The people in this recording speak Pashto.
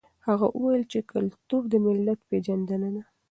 هغه وویل چې کلتور د ملت پېژندنه ده.